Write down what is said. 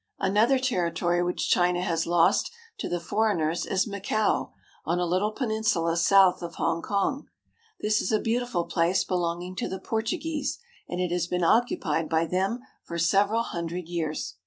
Another territory which China has lost to the foreigners is Macao, on a little peninsula south of Hongkong. This is a beautiful place belonging to the Portuguese, and it has been occupied by them for several hundred years.